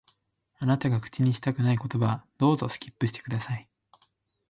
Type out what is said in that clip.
あなたが口にしたくない言葉は、どうぞ、スキップして下さい。